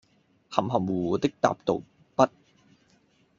含含胡胡的答道，「不……」